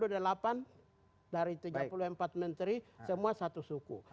dua puluh delapan dari tiga puluh empat menteri semua satu suku